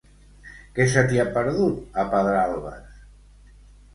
Què se t'hi ha perdut, a Pedralbes?